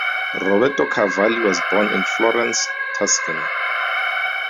Roberto Cavalli was born in Florence, Tuscany.